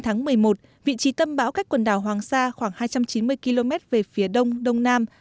trong hai mươi bốn giờ đến bốn mươi tám giờ tiếp theo vị trí tâm bão cách quần đảo hoàng sa khoảng hai trăm chín mươi km về phía đông đông nam